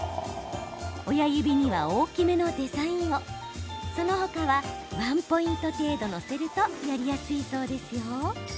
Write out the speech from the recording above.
親指には大きめのデザインをその他はワンポイント程度載せるとやりやすいそうですよ。